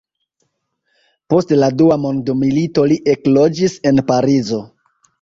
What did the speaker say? Post la dua mondmilito li ekloĝis en Parizo.